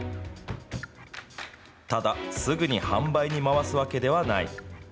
ただ、すぐに販売に回すわけではない。